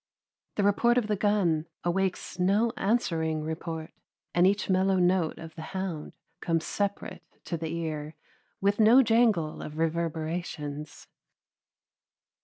The report of the gun awakes no answering report, and each mellow note of the hound comes separate to the ear, with no jangle of reverberations.